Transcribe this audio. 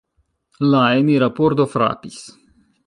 La enira pordo frapis.